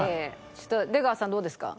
ちょっと出川さんどうですか？